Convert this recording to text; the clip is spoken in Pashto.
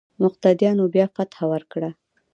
مقتديانو بيا فتحه ورکړه.